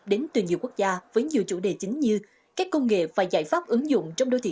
đến từ nhiều quốc gia với nhiều chủ đề chính như các công nghệ và giải pháp ứng dụng trong đô thị